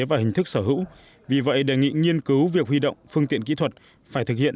và hình thức sở hữu vì vậy đề nghị nghiên cứu việc huy động phương tiện kỹ thuật phải thực hiện